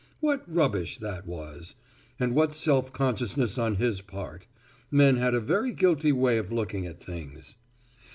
What rubbish that was. And what self consciousness on his part. Men had a very guilty way of looking at things.